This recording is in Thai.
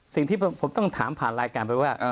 สิ่งที่ผมต้องถามผ่านรายการไปว่า